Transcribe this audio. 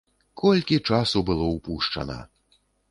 Колькі часу было ўпушчана!